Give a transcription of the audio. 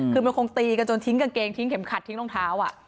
คือมันคงตีกันจนทิ้งกางเกงทิ้งเข็มขัดทิ้งรองเท้า